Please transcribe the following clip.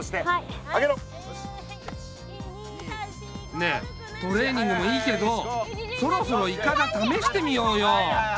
ねえトレーニングもいいけどそろそろいかだためしてみようよ。